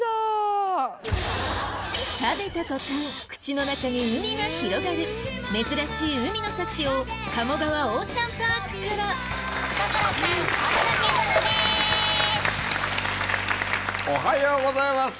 食べた途端口の中に海が広がる珍しい海の幸を鴨川オーシャンパークからおはようございます！